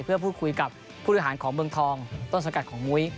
เพื่อพูดคุยกับผู้บริหารของเมืองทองต้นสังกัดของมุ้ย